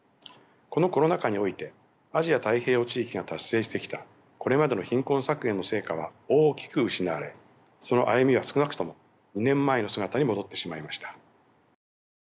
このコロナ禍においてアジア・太平洋地域が達成してきたこれまでの貧困削減の成果は大きく失われその歩みは少なくとも２年前の姿に戻ってしまいました。